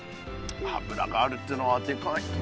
油があるっていうのはでかい。